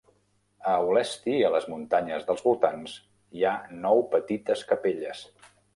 A Aulesti i a les muntanyes dels voltants hi ha nou petites capelles.